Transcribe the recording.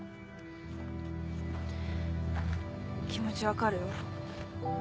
気持ち分かるよ。